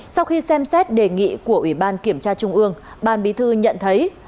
sau khi xem xét đề nghị của ủy ban kiểm tra trung ương ban bí thư nhận thấy